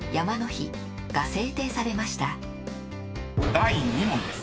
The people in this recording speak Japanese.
［第２問です。